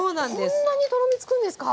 こんなにとろみつくんですか？